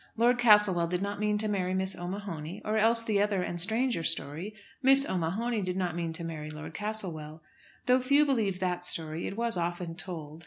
Lord Castlewell did not mean to marry Miss O'Mahony; or else the other and stranger story, Miss O'Mahony did not mean to marry Lord Castlewell. Though few believed that story, it was often told.